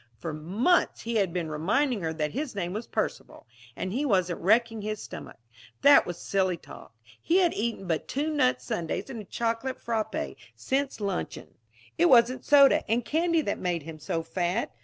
For months he had been reminding her that his name was Percival. And he wasn't wrecking his stomach. That was silly talk. He had eaten but two nut sundaes and a chocolate frappé since luncheon. It wasn't soda and candy that made him so fat.